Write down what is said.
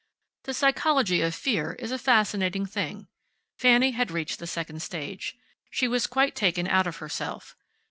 The psychology of fear is a fascinating thing. Fanny had reached the second stage. She was quite taken out of herself.